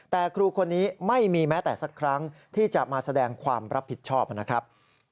แต่ครูคนนี้ไม่มีแม้แต่สักครั้งที่จะมาแสดงความรับผิดชอบนะครับ